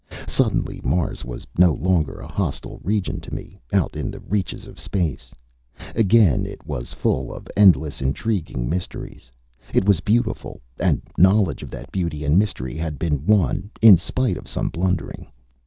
Suddenly Mars was no longer a hostile region to me, out in the reaches of space. Again it was full of endless, intriguing mysteries. It was beautiful. And knowledge of that beauty and mystery had been won, in spite of some blundering.